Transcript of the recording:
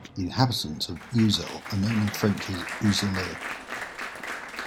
The inhabitants of Uzel are known in French as "uzelais".